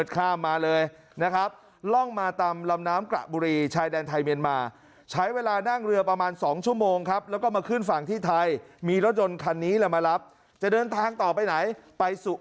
อคุณต้องจะหาเงินมาเป็นค่าในหน้าได้